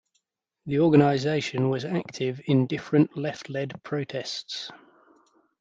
The organisation was active in different left led protests.